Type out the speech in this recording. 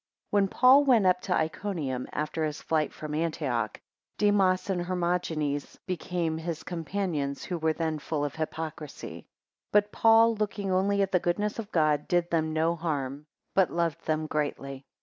WHEN Paul went up to Iconium, after his flight from Antioch, Demas and Hermogenes became his companions, who were then full of hypocrisy. 2 But Paul looking only at the goodness of God, did them no harm, but loved them greatly.